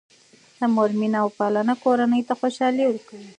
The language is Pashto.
د مور مینه او پالنه کورنۍ ته خوشحالي ورکوي.